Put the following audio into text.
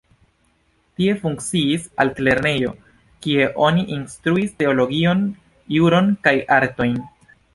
Tie funkciis altlernejo, kie oni instruis teologion, juron kaj artojn.